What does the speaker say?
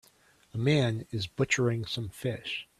A man is butchering some fish.